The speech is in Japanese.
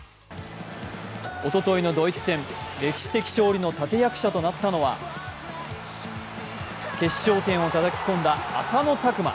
おとといのドイツ戦、歴史的勝利の立て役者となったのは決勝点をたたき込んだ浅野拓磨。